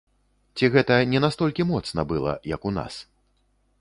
Ці гэта не настолькі моцна была, як у нас?